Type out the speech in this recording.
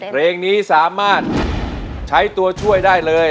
เพลงนี้สามารถใช้ตัวช่วยได้เลย